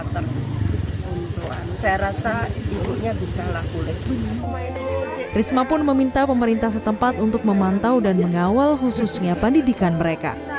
trisma pun meminta pemerintah setempat untuk memantau dan mengawal khususnya pendidikan mereka